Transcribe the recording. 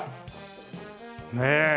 ねえ。